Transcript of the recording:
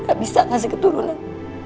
terima kasih historical